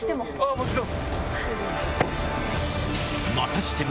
もちろん。